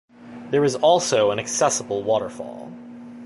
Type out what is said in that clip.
There is also an accessible waterfall.